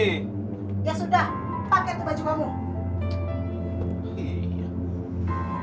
ya sudah pakai tuh baju kamu